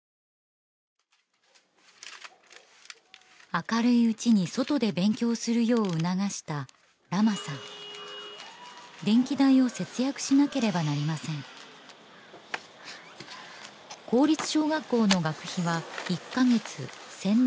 明るいうちに外で勉強するよう促したラマさん電気代を節約しなければなりません公立小学校の学費は１カ月１０００